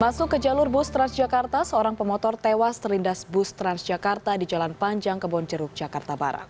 masuk ke jalur bus transjakarta seorang pemotor tewas terlindas bus transjakarta di jalan panjang kebonjeruk jakarta barat